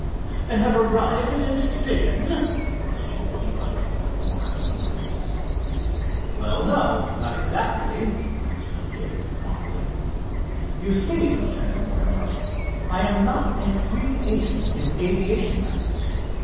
"And have arrived at a decision?" questioned the other with marked eagerness. "Well, no, not exactly," answered Dave promptly. "You see, Lieutenant Mortimer, I am not a free agent in aviation matters.